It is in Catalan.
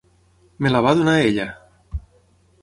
Me la va donar ella.